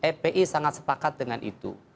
fpi sangat sepakat dengan itu